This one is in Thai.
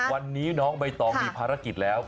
วันนี้น้องใบตองมีภารกิจแล้ว